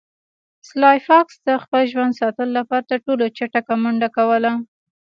سلای فاکس د خپل ژوند ساتلو لپاره تر ټولو چټکه منډه کوله